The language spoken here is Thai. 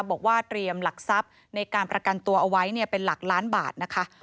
บอกว่าเตรียมหลักทรัพย์ในการประกันตัวเอาไว้เป็นหลักล้านบาทนะคะ